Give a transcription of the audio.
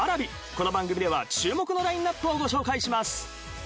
この番組では注目のラインナップをご紹介します。